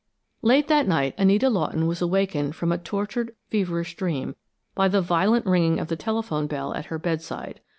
Late that night, Anita Lawton was awakened from a tortured, feverish dream by the violent ringing of the telephone bell at her bedside.